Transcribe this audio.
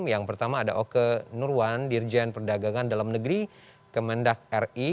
yang pertama ada oke nurwan dirjen perdagangan dalam negeri kemendak ri